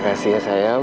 terima kasih ya sayang